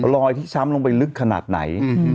ที่ช้ำลงไปลึกขนาดไหน